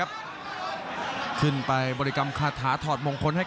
และอัพพิวัตรสอสมนึก